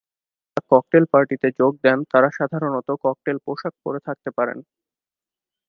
যে মহিলারা ককটেল পার্টিতে যোগ দেন তারা সাধারণত ককটেল পোশাক পরে থাকতে পারেন।